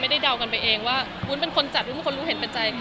เดากันไปเองว่าวุ้นเป็นคนจัดหรือเป็นคนรู้เห็นเป็นใจ